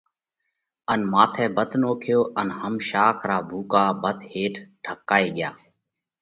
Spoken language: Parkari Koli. ان ماٿئہ ڀت نوکيو ان هم شاک را ڀُوڪا ڀت هيٺ ڍڪائي ڳيا۔